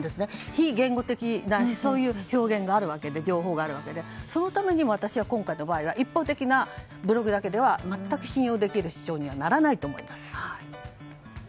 非言語的なそういう表現、情報があるわけでそのために私は今回の場合は一方的なブログだけでは信用できる主張にはならないと思います。